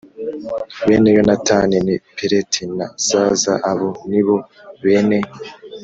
Bene Yonatani ni Peleti na Zaza Abo ni bo bene